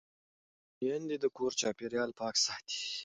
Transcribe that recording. لوستې میندې د کور چاپېریال پاک ساتي.